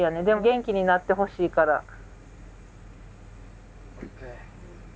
でも元気になってほしいから。